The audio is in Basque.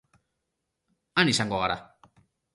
Han izango gara